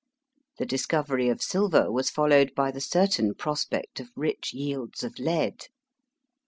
The discovery of silver was followed by the certain prospect of rich yields of lead.